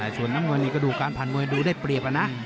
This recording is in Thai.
ส่วนน้ำเงินนี่ก็ดูการผ่านมวยดูได้เปรียบนะ